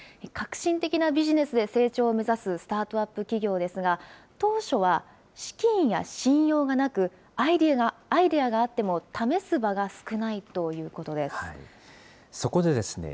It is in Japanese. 革新的なビジネスで成長を目指すスタートアップ企業ですが、当初は資金や信用がなく、アイデアがあっても試す場が少ないということです。